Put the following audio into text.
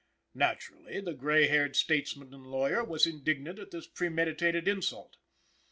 Naturally, the gray haired statesman and lawyer was indignant at this premeditated insult.